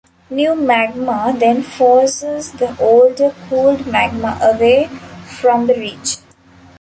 New magma then forces the older cooled magma away from the ridge.